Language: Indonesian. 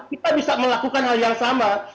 kita bisa melakukan hal yang sama